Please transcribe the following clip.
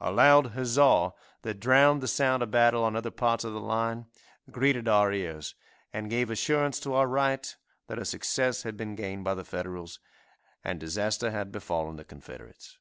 A loud huzza, that drowned the sound of battle on other parts of the line, greeted our ears and gave assurance to our right that a success had been gained by the Federals, and disaster had befallen the Confederates.